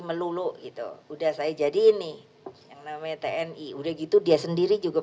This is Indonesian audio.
melulu gitu udah saya jadi ini yang namanya tni udah gitu dia sendiri juga